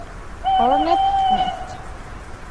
Hornet's Nest